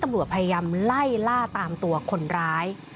ตำรวจพยายามไล่ล่าตามตัวคนร้าย